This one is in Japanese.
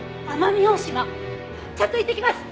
ちょっと行ってきます！